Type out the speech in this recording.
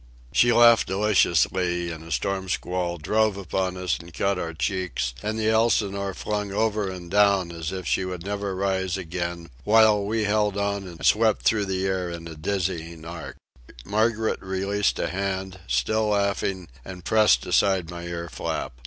She laughed deliciously, and a snow squall drove upon us and cut our cheeks, and the Elsinore flung over and down as if she would never rise again, while we held on and swept through the air in a dizzying arc. Margaret released a hand, still laughing, and pressed aside my ear flap.